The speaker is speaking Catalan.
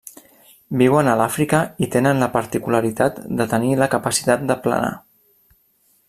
Viuen a l'Àfrica i tenen la particularitat de tenir la capacitat de planar.